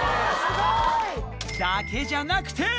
だけじゃくて！